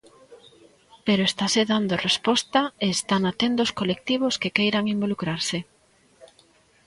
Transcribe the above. Pero estase dando resposta e estana tendo os colectivos que queiran involucrarse.